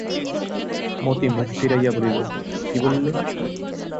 মতি মুখ ফিরাইয়া বলিল, কী বললে?